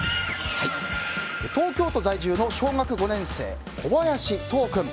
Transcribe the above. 東京都在住の小学５年生小林都央君。